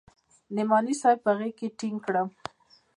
نعماني صاحب په غېږ کښې ټينګ کړم.